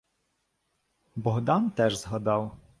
Богдан теж згадав: